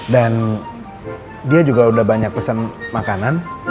dan dia juga udah banyak pesen makanan